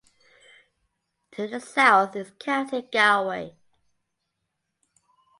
To the south is county Galway.